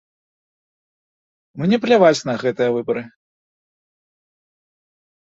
Мне пляваць на гэтыя выбары.